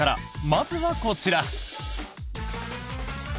まずはこちら！